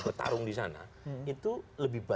bertarung di sana itu lebih